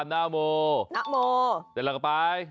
เสร็จแล้วก็ไป